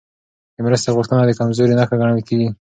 د مرستې غوښتنه د کمزورۍ نښه ګڼل کېږي.